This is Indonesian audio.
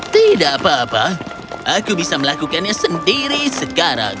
tidak apa apa aku bisa melakukannya sendiri sekarang